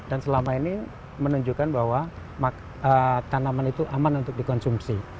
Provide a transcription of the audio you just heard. dan selama ini menunjukkan bahwa tanaman itu aman untuk dikonsumsi